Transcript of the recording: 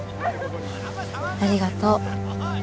ありがとう。